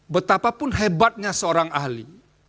betapapun hebatnya seorang ahli